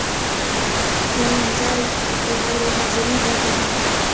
ښوونځی کې غیر حاضرې بدې دي